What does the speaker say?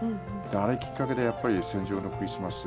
あれ、きっかけでやっぱり「戦場のクリスマス」